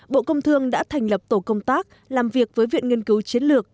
bộ công thương đã thành lập tổ công tác làm việc với viện nghiên cứu chiến lược